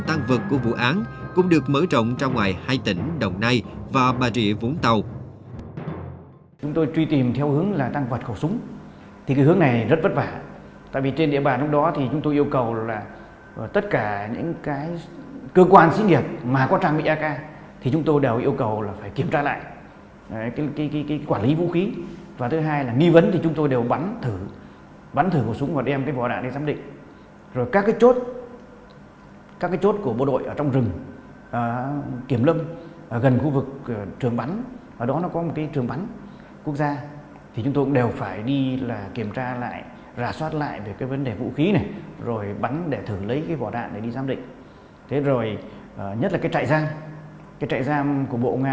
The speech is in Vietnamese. tăng vật của vụ án cũng được mở rộng ra ngoài hai tỉnh đồng nai và bà rịa vũng tàu